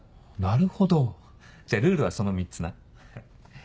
なるほどじゃあルールはその３つな。